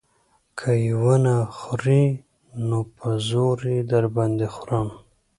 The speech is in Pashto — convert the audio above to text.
که يې ونه خورې نو په زور يې در باندې خورم.